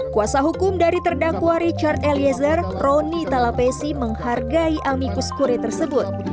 kuasa hukum dari terdakwa richard eliezer roni talapesi menghargai amikus kure tersebut